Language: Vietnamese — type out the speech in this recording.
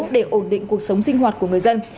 để ổn định cuộc sống sinh hoạt của người dân